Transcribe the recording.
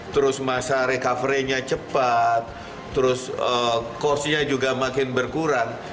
terus masa recovery nya cepat terus cost nya juga makin berkurang